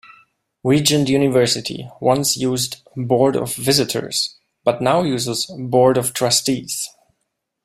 Regent University once used "board of visitors", but now uses "board of trustees".